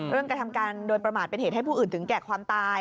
กระทำการโดยประมาทเป็นเหตุให้ผู้อื่นถึงแก่ความตาย